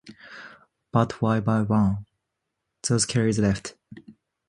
But one by one, those carriers left.